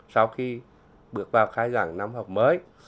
sau khi bước vào khai giảng năm học mới